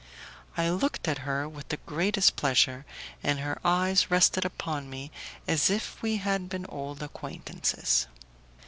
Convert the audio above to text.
I looked at her with the greatest pleasure, and her eyes rested upon me as if we had been old acquaintances.